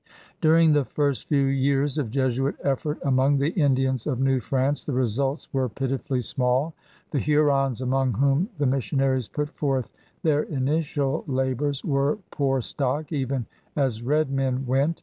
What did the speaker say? During the first few years of Jesuit effort among the Indians of New France the results were pitifully small. The Hurons, among whom the missionaries put forth their initial labors, were poor stock, even as red men went.